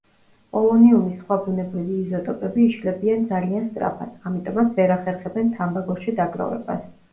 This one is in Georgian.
პოლონიუმის სხვა ბუნებრივი იზოტოპები იშლებიან ძალიან სწრაფად, ამიტომაც ვერ ახერხებენ თამბაქოში დაგროვებას.